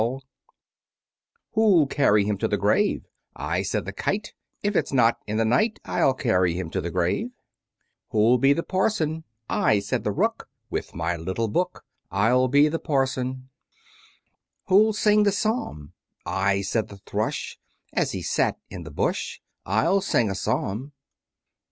Who'll carry him to the grave? I, said the Kite, If it's not in the night, I'll carry him to the grave. Who'll be the Parson? I, said the Rook, With my little book, I'll be the Parson. Who'll sing a Psalm? I, said the Thrush, As he sat in the bush, I'll sing a Psalm?